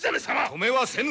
止めはせぬ！